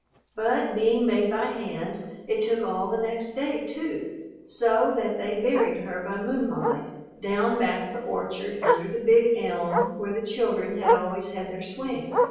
But, being made by hand, it took all the next day, too, so that they buried her by moonlight down back of the orchard under the big elm where the children had always had their swing.